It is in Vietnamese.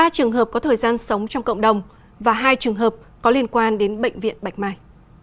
ba trường hợp có thời gian sống trong cộng đồng và hai trường hợp có liên quan đến bệnh viện bạch mai